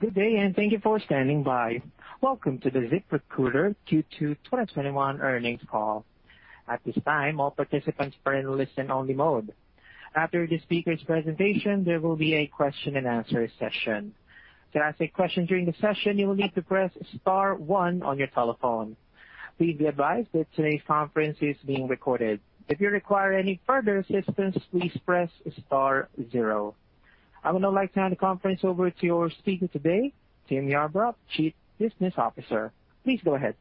Good day, and thank you for standing by. Welcome to the ZipRecruiter Q2 2021 earnings call. At this time, all participants are in listen-only mode. After the speakers' presentation, there will be a question and answer session. To ask a question during the session, you will need to press star one on your telephone. Please be advised that today's conference is being recorded. If you require any further assistance, please press star 0. I would now like to hand the conference over to your speaker today, Tim Yarbrough, Chief Business Officer. Please go ahead.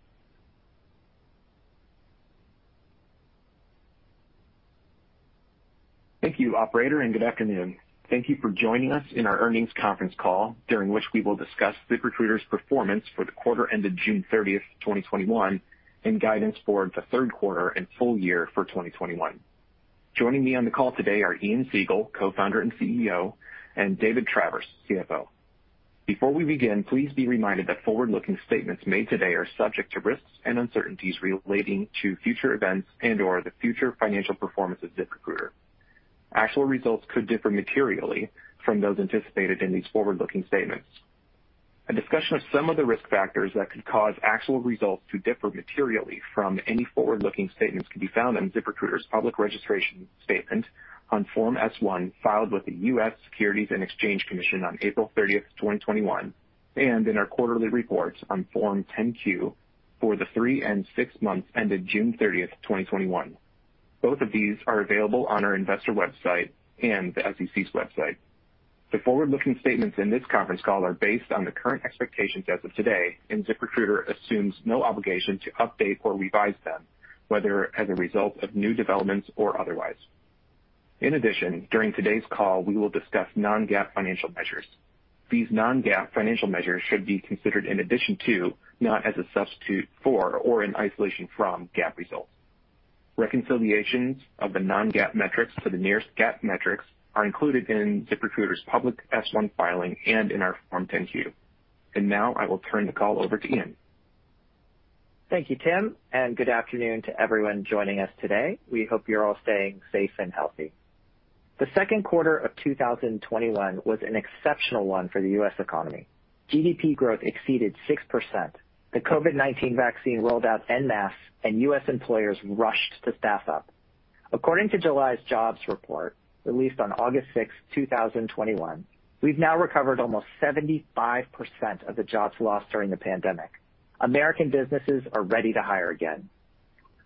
Thank you, operator, and good afternoon. Thank you for joining us in our earnings conference call, during which we will discuss ZipRecruiter's performance for the quarter ended June 30th, 2021, and guidance for the third quarter and full year for 2021. Joining me on the call today are Ian Siegel, Co-founder and CEO, and David Travers, CFO. Before we begin, please be reminded that forward-looking statements made today are subject to risks and uncertainties relating to future events and/or the future financial performance of ZipRecruiter. Actual results could differ materially from those anticipated in these forward-looking statements. A discussion of some of the risk factors that could cause actual results to differ materially from any forward-looking statements can be found in ZipRecruiter's public registration statement on Form S-1, filed with the U.S. Securities and Exchange Commission on April 30th, 2021, and in our quarterly reports on Form 10-Q for the three and six months ended June 30th, 2021. Both of these are available on our investor website and the SEC's website. The forward-looking statements in this conference call are based on the current expectations as of today, and ZipRecruiter assumes no obligation to update or revise them, whether as a result of new developments or otherwise. In addition, during today's call, we will discuss non-GAAP financial measures. These non-GAAP financial measures should be considered in addition to, not as a substitute for or in isolation from, GAAP results. Reconciliations of the non-GAAP metrics to the nearest GAAP metrics are included in ZipRecruiter's public S-1 filing and in our Form 10-Q. Now I will turn the call over to Ian. Thank you, Tim, and good afternoon to everyone joining us today. We hope you're all staying safe and healthy. The second quarter of 2021 was an exceptional one for the U.S. economy. GDP growth exceeded 6%. The COVID-19 vaccine rolled out en masse, and U.S. employers rushed to staff up. According to July's jobs report, released on August 6, 2021, we've now recovered almost 75% of the jobs lost during the pandemic. American businesses are ready to hire again.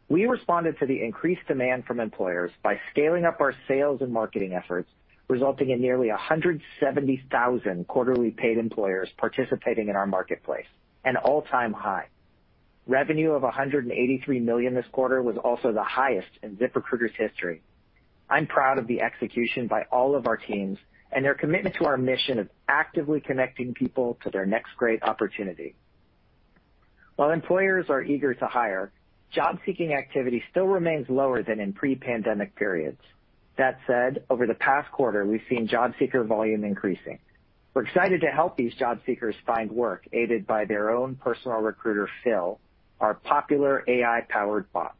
We responded to the increased demand from employers by scaling up our sales and marketing efforts, resulting in nearly 170,000 quarterly paid employers participating in our marketplace, an all-time high. Revenue of $183 million this quarter was also the highest in ZipRecruiter's history. I'm proud of the execution by all of our teams and their commitment to our mission of actively connecting people to their next great opportunity. While employers are eager to hire, job-seeking activity still remains lower than in pre-pandemic periods. That said, over the past quarter, we've seen job seeker volume increasing. We're excited to help these job seekers find work aided by their own personal recruiter, Phil, our popular AI-powered bot.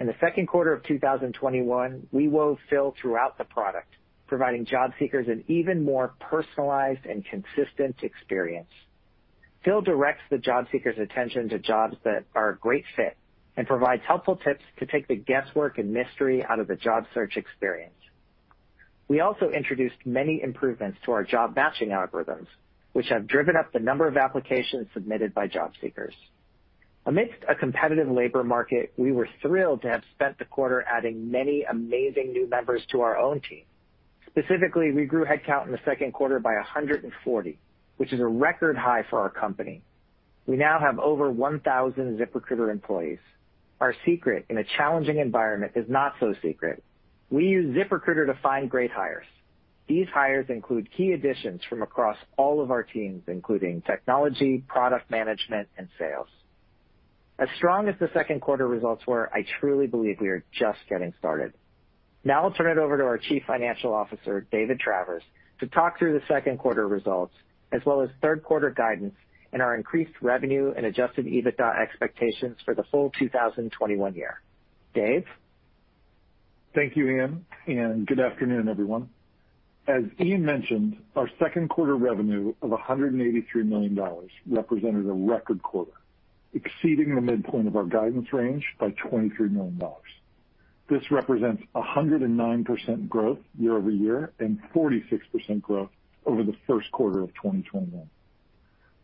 In the second quarter of 2021, we wove Phil throughout the product, providing job seekers an even more personalized and consistent experience. Phil directs the job seekers' attention to jobs that are a great fit and provides helpful tips to take the guesswork and mystery out of the job search experience. We also introduced many improvements to our job matching algorithms, which have driven up the number of applications submitted by job seekers. Amidst a competitive labor market, we were thrilled to have spent the quarter adding many amazing new members to our own team. Specifically, we grew headcount in the second quarter by 140, which is a record high for our company. We now have over 1,000 ZipRecruiter employees. Our secret in a challenging environment is not so secret. We use ZipRecruiter to find great hires. These hires include key additions from across all of our teams, including technology, product management, and sales. As strong as the second quarter results were, I truly believe we are just getting started. Now I'll turn it over to our Chief Financial Officer, David Travers, to talk through the second quarter results, as well as third-quarter guidance and our increased revenue and adjusted EBITDA expectations for the full 2021 year. Dave? Thank you, Ian. Good afternoon, everyone. As Ian mentioned, our second quarter revenue of $183 million represented a record quarter, exceeding the midpoint of our guidance range by $23 million. This represents 109% growth year-over-year and 46% growth over the first quarter of 2021.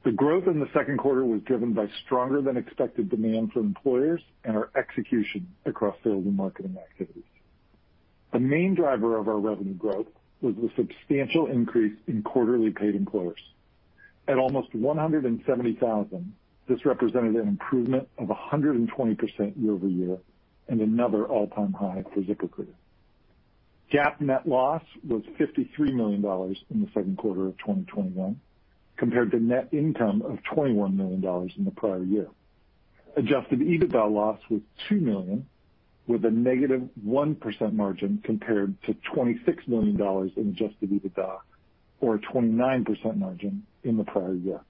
The growth in the second quarter was driven by stronger than expected demand from employers and our execution across sales and marketing activities. The main driver of our revenue growth was the substantial increase in quarterly paid employers. At almost 170,000, this represented an improvement of 120% year-over-year and another all-time high for ZipRecruiter. GAAP net loss was $53 million in the second quarter of 2021, compared to net income of $21 million in the prior year. Adjusted EBITDA loss was $2 million, with a negative 1% margin compared to $26 million in adjusted EBITDA, or a 29% margin, in the prior year.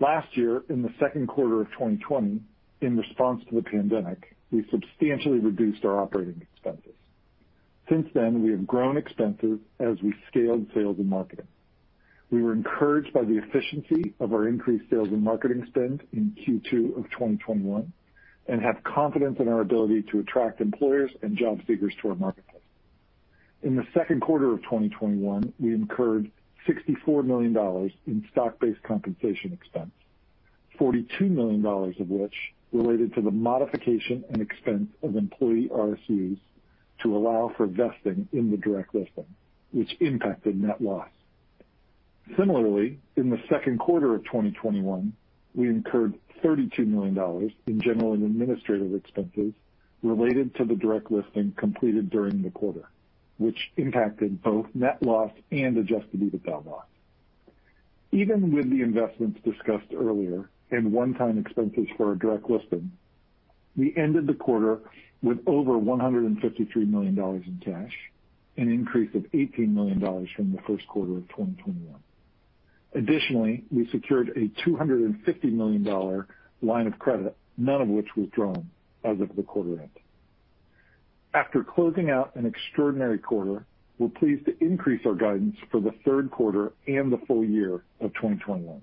Last year, in the second quarter of 2020, in response to the pandemic, we substantially reduced our operating expenses. Since then, we have grown expenses as we scaled sales and marketing. We were encouraged by the efficiency of our increased sales and marketing spend in Q2 of 2021, and have confidence in our ability to attract employers and job seekers to our marketplace. In the second quarter of 2021, we incurred $64 million in stock-based compensation expense, $42 million of which related to the modification and expense of employee RSU's to allow for vesting in the direct listing, which impacted net loss. Similarly, in the second quarter of 2021, we incurred $32 million in general and administrative expenses related to the direct listing completed during the quarter, which impacted both net loss and adjusted EBITDA loss. Even with the investments discussed earlier and one-time expenses for our direct listing, we ended the quarter with over $153 million in cash, an increase of $18 million from the first quarter of 2021. Additionally, we secured a $250 million line of credit, none of which was drawn as of the quarter end. After closing out an extraordinary quarter, we're pleased to increase our guidance for the third quarter and the full year of 2021.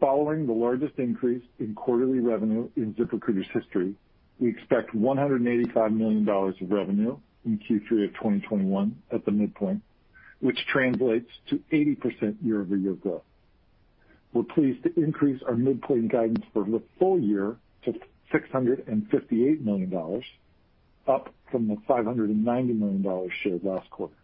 Following the largest increase in quarterly revenue in ZipRecruiter's history, we expect $185 million of revenue in Q3 of 2021 at the midpoint, which translates to 80% year-over-year growth. We're pleased to increase our midpoint guidance for the full year to $658 million, up from the $590 million shared last quarter.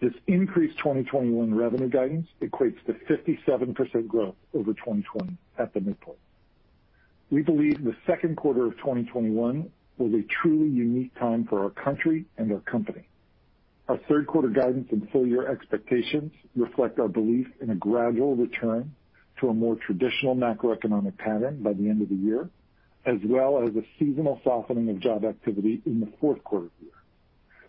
This increased 2021 revenue guidance equates to 57% growth over 2020 at the midpoint. We believe the second quarter of 2021 was a truly unique time for our country and our company. Our third quarter guidance and full year expectations reflect our belief in a gradual return to a more traditional macroeconomic pattern by the end of the year, as well as a seasonal softening of job activity in the fourth quarter of the year.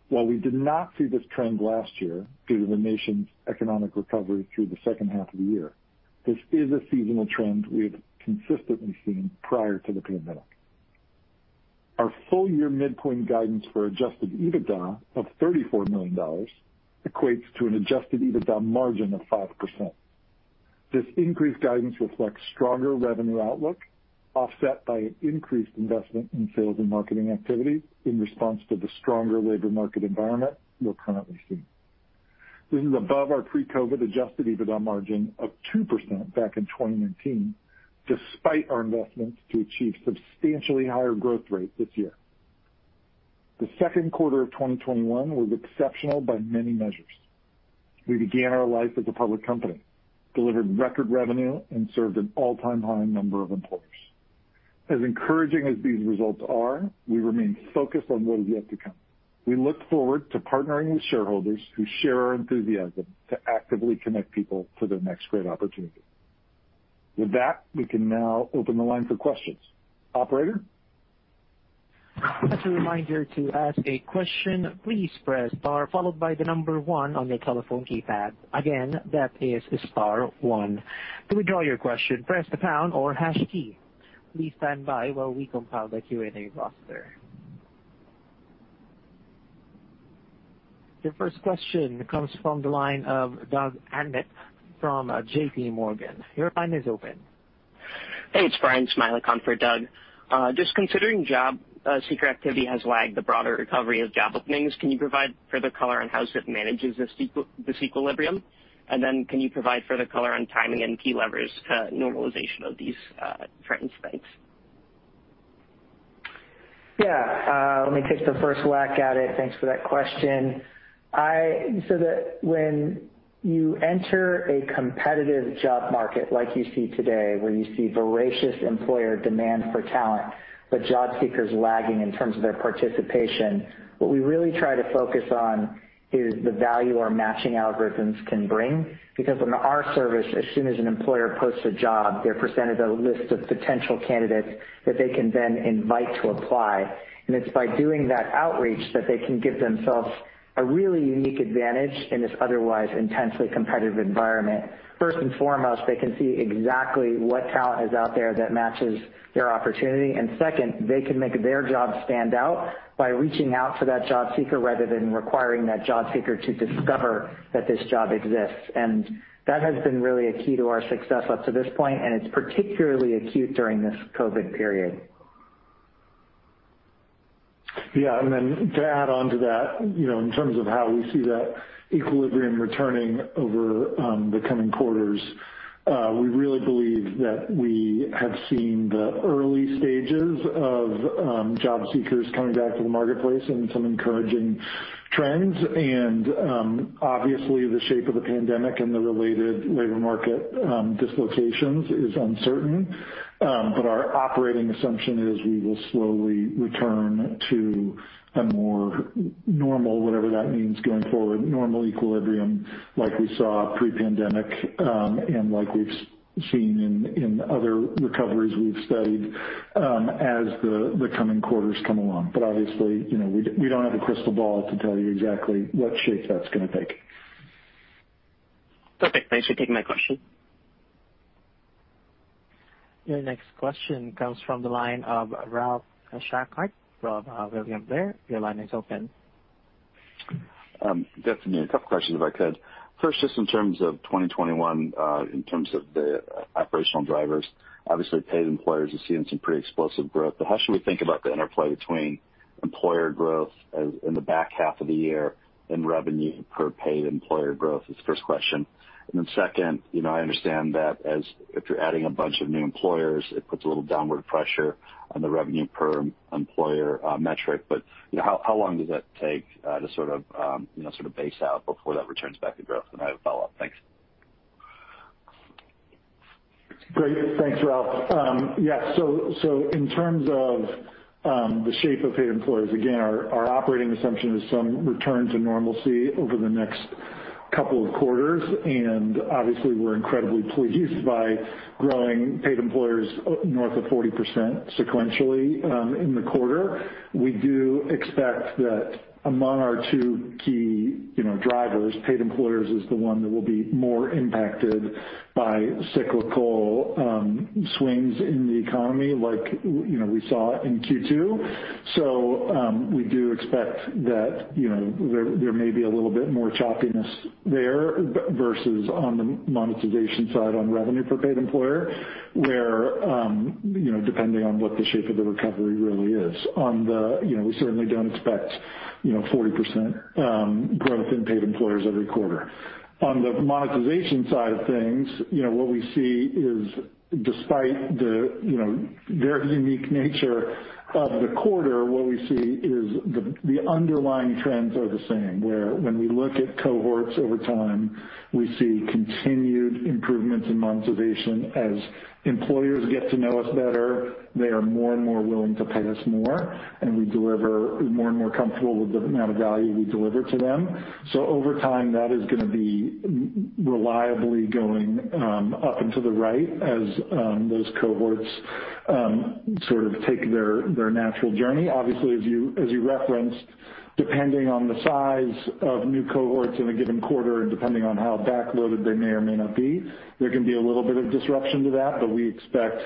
While we did not see this trend last year due to the nation's economic recovery through the second half of the year, this is a seasonal trend we have consistently seen prior to the pandemic. Our full-year midpoint guidance for adjusted EBITDA of $34 million equates to an adjusted EBITDA margin of 5%. This increased guidance reflects stronger revenue outlook, offset by increased investment in sales and marketing activity in response to the stronger labor market environment we're currently seeing. This is above our pre-COVID adjusted EBITDA margin of 2% back in 2019, despite our investments to achieve substantially higher growth rate this year. The second quarter of 2021 was exceptional by many measures. We began our life as a public company, delivered record revenue, and served an all-time high number of employers. As encouraging as these results are, we remain focused on what is yet to come. We look forward to partnering with shareholders who share our enthusiasm to actively connect people to their next great opportunity. With that, we can now open the line for questions. Operator? As a reminder, to ask a question, please press star followed by the number one on your telephone keypad. Again, that is star one. To withdraw your question, press the pound or hash key. Please stand by while we compile the Q&A roster. Your first question comes from the line of Doug Anmuth from JPMorgan. Your line is open. Hey, it's Brian. It's my account for Doug. Just considering job seeker activity has lagged the broader recovery of job openings, can you provide further color on how Zip manages this equilibrium? Can you provide further color on timing and key levers to normalization of these trends, thanks. Yeah. Let me take the first whack at it. Thanks for that question. When you enter a competitive job market like you see today, where you see voracious employer demand for talent, but job seekers lagging in terms of their participation, what we really try to focus on is the value our matching algorithms can bring. On our service, as soon as an employer posts a job, they're presented a list of potential candidates that they can then invite to apply. It's by doing that outreach that they can give themselves a really unique advantage in this otherwise intensely competitive environment. First and foremost, they can see exactly what talent is out there that matches their opportunity. Second, they can make their job stand out by reaching out to that job seeker rather than requiring that job seeker to discover that this job exists. That has been really a key to our success up to this point, and it's particularly acute during this COVID period. Yeah. Then to add onto that, in terms of how we see that equilibrium returning over the coming quarters, we really believe that we have seen the early stages of job seekers coming back to the marketplace and some encouraging trends. Obviously, the shape of the pandemic and the related labor market dislocations is uncertain. Our operating assumption is we will slowly return to a more normal, whatever that means going forward, normal equilibrium like we saw pre-pandemic, and like we've seen in other recoveries we've studied, as the coming quarters come along. Obviously, we don't have a crystal ball to tell you exactly what shape that's going to take. Perfect. Thanks for taking my question. Your next question comes from the line of Ralph Schackart from William Blair. Your line is open. Good afternoon. A couple questions if I could. First, just in terms of 2021, in terms of the operational drivers, obviously paid employers are seeing some pretty explosive growth. How should we think about the interplay between employer growth in the back half of the year and revenue per paid employer growth? is the first question? Second, I understand that if you're adding a bunch of new employers, it puts a little downward pressure on the revenue per employer metric. How long does that take to sort of base out before that returns back to growth? I have a follow-up. Thanks. Great. Thanks, Ralph. Yeah. In terms of the shape of paid employers, again, our operating assumption is some return to normalcy over the next couple of quarters, and obviously we're incredibly pleased by growing paid employers north of 40% sequentially in the quarter. We do expect that among our two key drivers, paid employers is the one that will be more impacted by cyclical swings in the economy like we saw in Q2. We do expect that there may be a little bit more choppiness there versus on the monetization side on revenue per paid employer, where depending on what the shape of the recovery really is. We certainly don't expect 40% growth in paid employers every quarter. On the monetization side of things, what we see is despite the very unique nature of the quarter, what we see is the underlying trends are the same, where when we look at cohorts over time, we see continued improvements in monetization. As employers get to know us better, they are more and more willing to pay us more, and more and more comfortable with the amount of value we deliver to them. Over time, that is going to be reliably going up and to the right as those cohorts sort of take their natural journey. Obviously, as you referenced, depending on the size of new cohorts in a given quarter, depending on how back-loaded they may or may not be, there can be a little bit of disruption to that. We expect,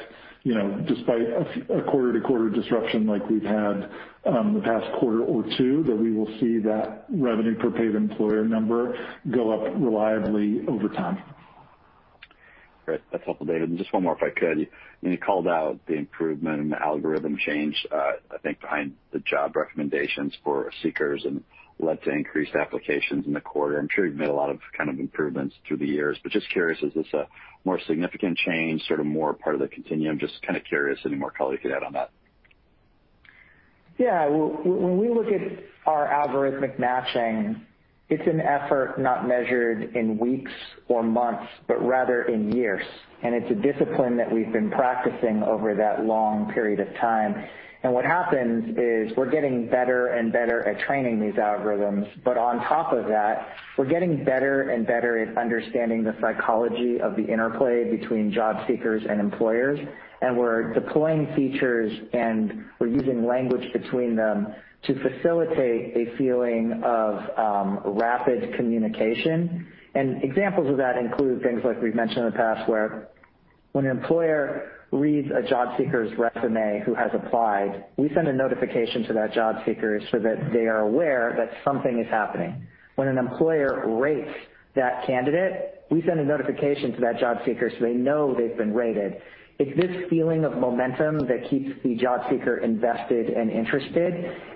despite a quarter-to-quarter disruption like we've had the past quarter or two, that we will see that revenue per paid employer number go up reliably over time. Great. That's helpful, David. Just one more, if I could. You called out the improvement in the algorithm change, I think behind the job recommendations for seekers and led to increased applications in the quarter. I'm sure you've made a lot of improvements through the years, but just curious, is this a more significant change, sort of more part of the continuum? Just kind of curious any more color you could add on that. Yeah. When we look at our algorithmic matching, it's an effort not measured in weeks or months, but rather in years, and it's a discipline that we've been practicing over that long period of time. What happens is we're getting better and better at training these algorithms. On top of that, we're getting better and better at understanding the psychology of the interplay between job seekers and employers, and we're deploying features, and we're using language between them to facilitate a feeling of rapid communication. Examples of that include things like we've mentioned in the past, where when an employer reads a job seeker's resume who has applied, we send a notification to that job seeker so that they are aware that something is happening. When an employer rates that candidate, we send a notification to that job seeker so they know they've been rated. It's this feeling of momentum that keeps the job seeker invested and interested,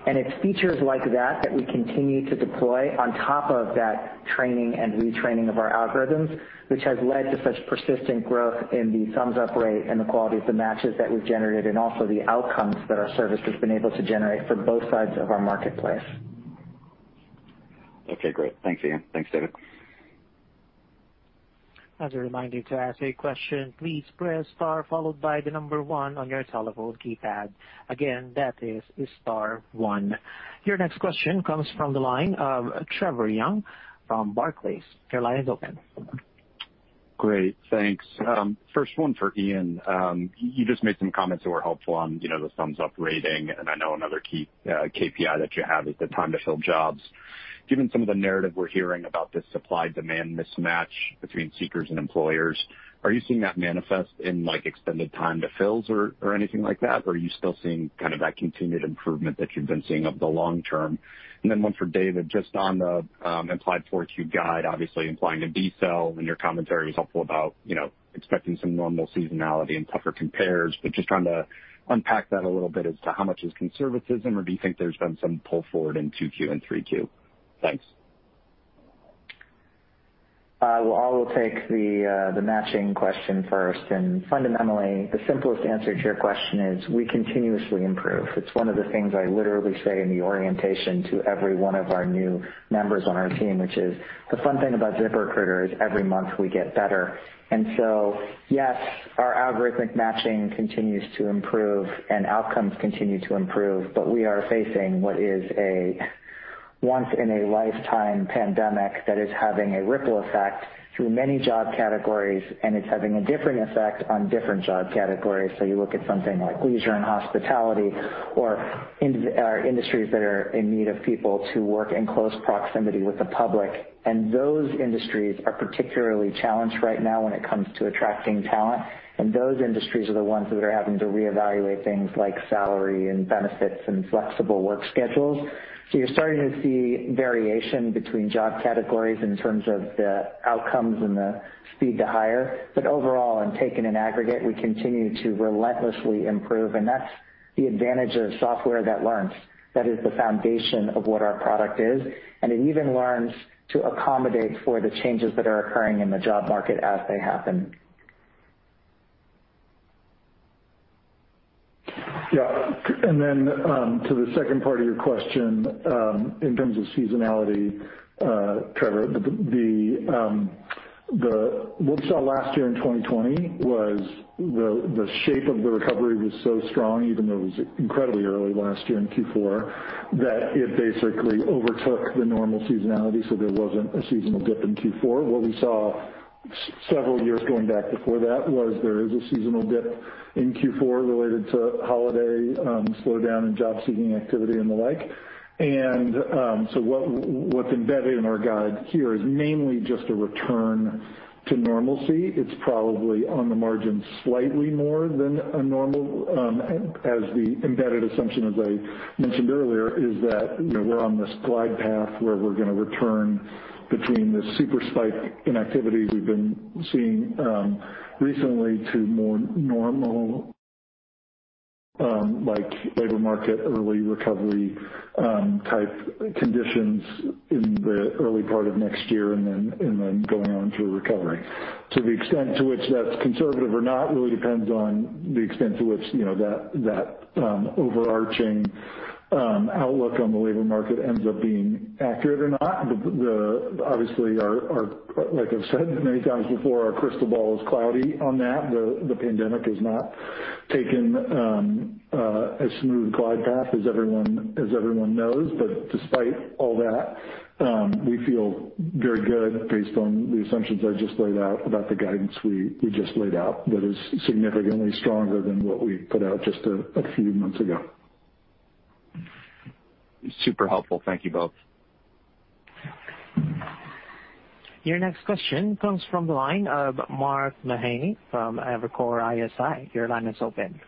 and it's features like that that we continue to deploy on top of that training and retraining of our algorithms, which has led to such persistent growth in the thumbs up rate and the quality of the matches that we've generated, and also the outcomes that our service has been able to generate for both sides of our marketplace. Okay, great. Thanks, Ian. Thanks, David. As a reminder, to ask a question, please press star followed by the number one on your telephone keypad. Again, that is star one. Your next question comes from the line of Trevor Young from Barclays. Your line is open. Great, thanks. First one for Ian. You just made some comments that were helpful on the thumbs up rating, and I know another key KPI that you have is the time to fill jobs. Given some of the narrative we're hearing about this supply-demand mismatch between seekers and employers, are you seeing that manifest in extended time to fills or anything like that? Are you still seeing that continued improvement that you've been seeing over the long term? One for David, just on the implied Q4 guide, obviously implying a decel, and your commentary was helpful about expecting some normal seasonality and tougher compares. Just trying to unpack that a little bit as to how much is conservatism, or do you think there's been some pull forward in Q2 and Q3? Thanks. I will take the matching question first. Fundamentally, the simplest answer to your question is we continuously improve. It's one of the things I literally say in the orientation to every one of our new members on our team, which is the fun thing about ZipRecruiter is every month we get better. Yes, our algorithmic matching continues to improve and outcomes continue to improve, but we are facing what is a once-in-a-lifetime pandemic that is having a ripple effect through many job categories, and it's having a different effect on different job categories. You look at something like leisure and hospitality or industries that are in need of people to work in close proximity with the public. Those industries are particularly challenged right now when it comes to attracting talent. Those industries are the ones that are having to reevaluate things like salary and benefits and flexible work schedules. You're starting to see variation between job categories in terms of the outcomes and the speed to hire. Overall, and taken in aggregate, we continue to relentlessly improve, and that's the advantage of software that learns. That is the foundation of what our product is, and it even learns to accommodate for the changes that are occurring in the job market as they happen. Yeah. Then to the second part of your question, in terms of seasonality, Trevor, what we saw last year in 2020 was the shape of the recovery was so strong, even though it was incredibly early last year in Q4, that it basically overtook the normal seasonality, so there wasn't a seasonal dip in Q4. What we saw several years going back before that was there is a seasonal dip in Q4 related to holiday slowdown in job-seeking activity and the like. What's embedded in our guide here is mainly just a return to normalcy. It's probably on the margin slightly more than a normal, as the embedded assumption, as I mentioned earlier, is that we're on this glide path where we're going to return between this super spike in activity we've been seeing recently to more normal-like labor market, early recovery-type conditions in the early part of next year, and then going on to a recovery. To the extent to which that's conservative or not really depends on the extent to which that overarching outlook on the labor market ends up being accurate or not. Obviously, like I've said many times before, our crystal ball is cloudy on that. The pandemic has not taken a smooth glide path, as everyone knows. Despite all that, we feel very good based on the assumptions I just laid out about the guidance we just laid out, that is significantly stronger than what we put out just a few months ago. Super helpful. Thank you both. Your next question comes from the line of Mark Mahaney from Evercore ISI. Your line is open.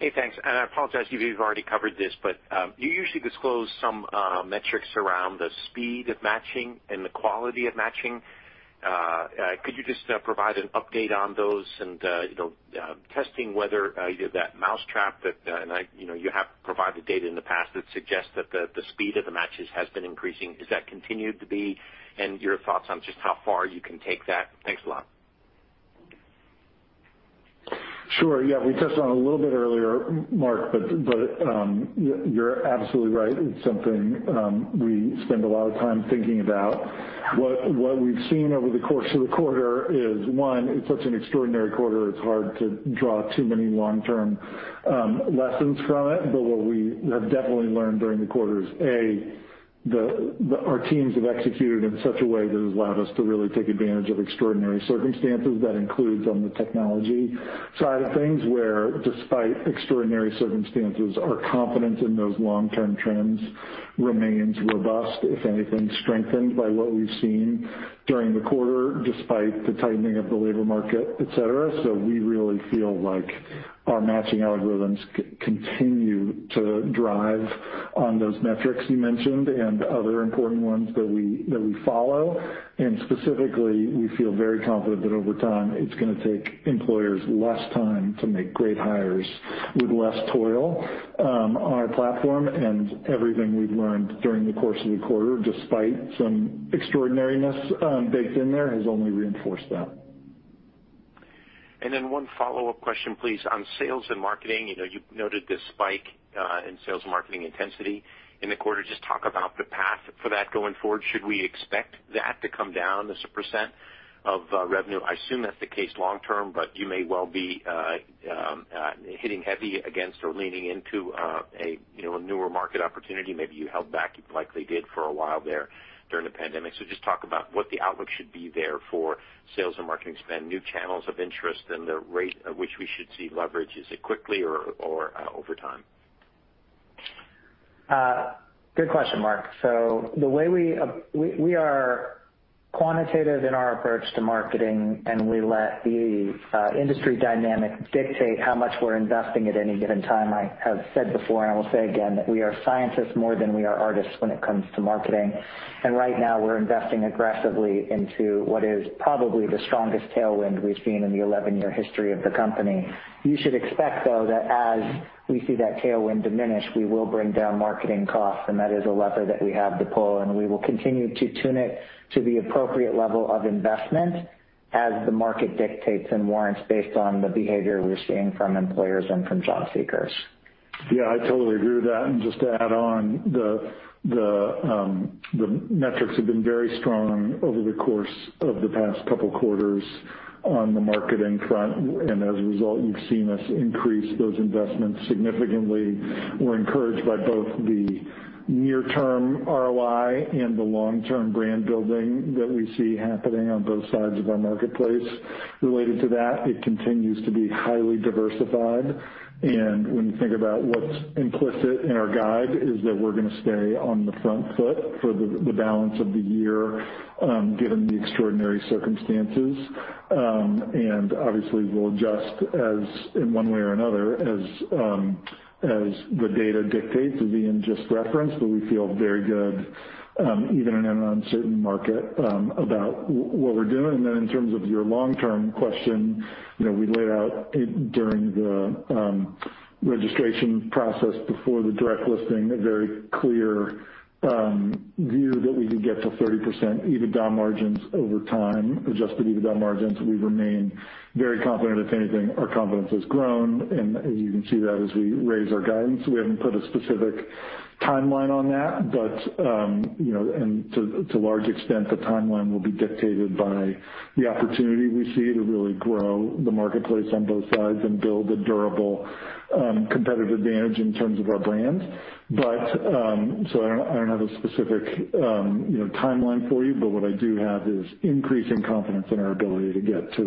Hey, thanks. I apologize if you've already covered this, but you usually disclose some metrics around the speed of matching and the quality of matching. Could you just provide an update on those and testing whether either that mousetrap that you have provided data in the past that suggests that the speed of the matches has been increasing, is that continued to be? Your thoughts on just how far you can take that. Thanks a lot. Sure. Yeah. We touched on it a little bit earlier, Mark. You're absolutely right. It's something we spend a lot of time thinking about. What we've seen over the course of the quarter is, one, it's such an extraordinary quarter, it's hard to draw too many long-term lessons from it. What we have definitely learned during the quarter is, A, our teams have executed in such a way that has allowed us to really take advantage of extraordinary circumstances. That includes on the technology side of things, where despite extraordinary circumstances, our confidence in those long-term trends remains robust, if anything, strengthened by what we've seen during the quarter, despite the tightening of the labor market, et cetera. We really feel like our matching algorithms continue to drive on those metrics you mentioned and other important ones that we follow. Specifically, we feel very confident that over time it's going to take employers less time to make great hires with less toil. Our platform and everything we've learned during the course of the quarter, despite some extraordinariness baked in there, has only reinforced that. One follow-up question, please. On sales and marketing, you noted this spike in sales marketing intensity in the quarter. Just talk about the path for that going forward. Should we expect that to come down as a % of revenue? I assume that's the case long term, you may well be hitting heavy against or leaning into a newer market opportunity. Maybe you held back, you likely did for a while there during the pandemic. Just talk about what the outlook should be there for sales and marketing spend, new channels of interest, and the rate at which we should see leverage. Is it quickly or over time? Good question, Mark. We are quantitative in our approach to marketing, and we let the industry dynamic dictate how much we're investing at any given time. I have said before, and I will say again, that we are scientists more than we are artists when it comes to marketing. Right now we're investing aggressively into what is probably the strongest tailwind we've seen in the 11-year history of the company. You should expect, though, that as we see that tailwind diminish, we will bring down marketing costs, and that is a lever that we have to pull, and we will continue to tune it to the appropriate level of investment as the market dictates and warrants based on the behavior we're seeing from employers and from job seekers. I totally agree with that. Just to add on, the metrics have been very strong over the course of the past couple of quarters on the marketing front, and as a result, you've seen us increase those investments significantly. We're encouraged by both the near-term ROI and the long-term brand building that we see happening on both sides of our marketplace. Related to that, it continues to be highly diversified. When you think about what's implicit in our guide, is that we're going to stay on the front foot for the balance of the year, given the extraordinary circumstances. Obviously, we'll adjust in one way or another as the data dictates as Ian just referenced, but we feel very good, even in an uncertain market, about what we're doing. In terms of your long-term question, we laid out during the registration process before the direct listing, a very clear view that we could get to 30% adjusted EBITDA margins over time. We remain very confident. If anything, our confidence has grown, and you can see that as we raise our guidance. We haven't put a specific timeline on that, and to a large extent, the timeline will be dictated by the opportunity we see to really grow the marketplace on both sides and build a durable competitive advantage in terms of our brand. I don't have a specific timeline for you, but what I do have is increasing confidence in our ability to get to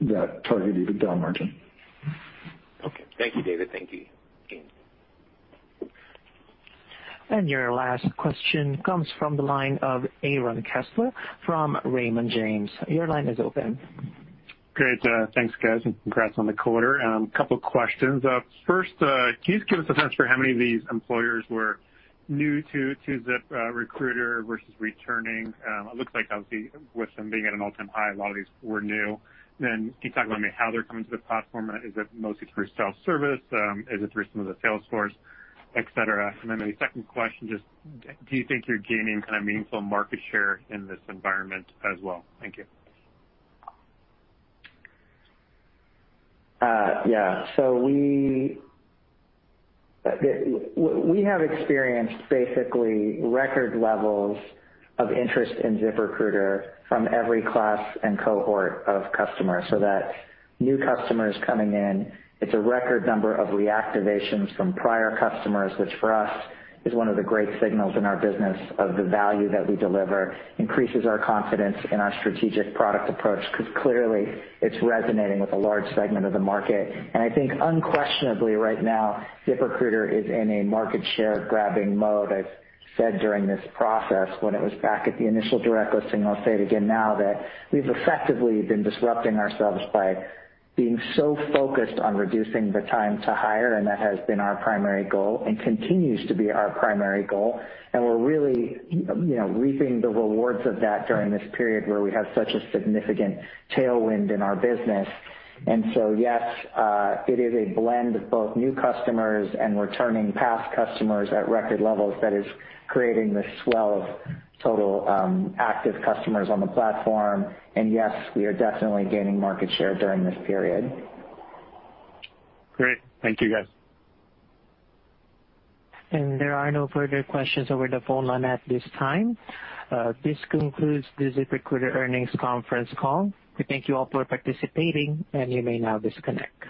that target EBITDA margin. Okay. Thank you, David. Thank you, Ian. Your last question comes from the line of Aaron Kessler from Raymond James. Your line is open. Great. Thanks, guys, and congrats on the quarter. A couple of questions. First, can you just give us a sense for how many of these employers were new to ZipRecruiter versus returning? It looks like, obviously, with them being at an all-time high, a lot of these were new. Can you talk about maybe how they're coming to the platform? Is it mostly through self-service? Is it through some of the sales force, et cetera? A second question, just do you think you're gaining meaningful market share in this environment as well? Thank you. Yeah. We have experienced basically record levels of interest in ZipRecruiter from every class and cohort of customers, so that's new customers coming in. It's a record number of reactivations from prior customers, which for us, is one of the great signals in our business of the value that we deliver, increases our confidence in our strategic product approach, because clearly, it's resonating with a large segment of the market. I think unquestionably right now, ZipRecruiter is in a market share grabbing mode. I said during this process, when it was back at the initial direct listing, I'll say it again now, that we've effectively been disrupting ourselves by being so focused on reducing the time to hire, and that has been our primary goal and continues to be our primary goal. We're really reaping the rewards of that during this period where we have such a significant tailwind in our business. Yes, it is a blend of both new customers and returning past customers at record levels that is creating this swell of total active customers on the platform. Yes, we are definitely gaining market share during this period. Great. Thank you, guys. There are no further questions over the phone line at this time. This concludes the ZipRecruiter earnings conference call. We thank you all for participating, and you may now disconnect.